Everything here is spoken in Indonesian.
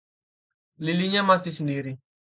Lilinnya mati sendiri.